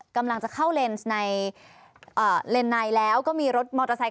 กำลังจะเข้าเลนส์ในเลนในแล้วก็มีรถมอเตอร์ไซค